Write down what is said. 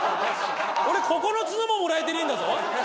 俺ここの角ももらえてねえんだぞ！